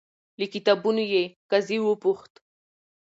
له کتابونو یې. قاضي وپوښت،